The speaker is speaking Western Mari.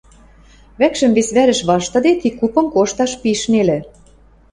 Вӓкшӹм вес вӓрӹш ваштыде, ти купым кошташ пиш нелӹ...